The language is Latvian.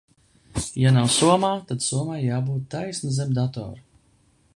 Ja nav somā, tad somai jābūt taisni zem datora.